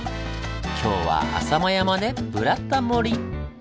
今日は浅間山で「ブラタモリ」！